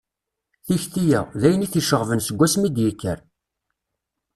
Tikti-a, d ayen i t-iceɣben seg wasmi i d-yekker